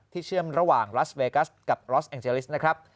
เชื่อมระหว่างรัสเวกัสกับรอสแองเจลิสนะครับ